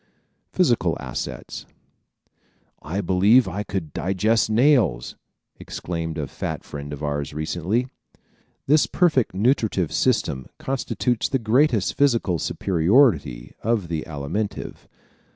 Physical Assets ¶ "I believe I could digest nails!" exclaimed a fat friend of ours recently. This perfect nutritive system constitutes the greatest physical superiority of the Alimentive.